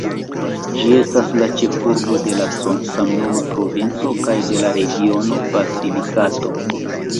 Ĝi estas la ĉefurbo de la samnoma provinco kaj de la regiono Basilikato.